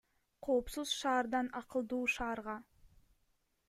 Коопсуз шаардан акылдуу шаарга